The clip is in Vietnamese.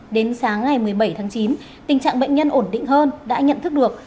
đến sáng ngày một mươi bảy tháng chín tình trạng bệnh nhân ổn định hơn đã nhận thức được